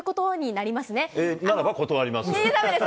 ならば断わります。